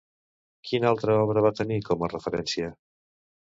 Quina altra obra va tenir com a referència?